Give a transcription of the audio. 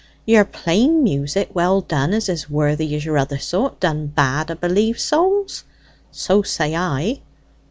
Your plain music well done is as worthy as your other sort done bad, a' b'lieve, souls; so say I."